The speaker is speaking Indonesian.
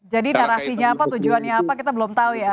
jadi narasinya apa tujuannya apa kita belum tahu ya